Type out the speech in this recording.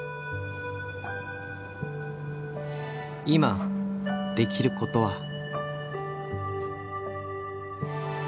今できることは。